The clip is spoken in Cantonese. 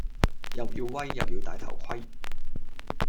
又要威，又要帶頭盔